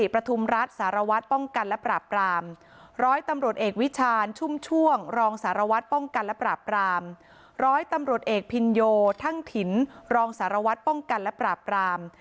ป้องกันและปราบกรามร้อยตำรวจเอกพินโยทั่งถินรองสารวัตรป้องกันและปราบกราม